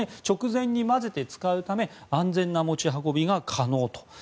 直前に混ぜて使うため安全な持ち運びが可能と。